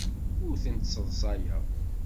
Ur tent-sseḍsayeɣ.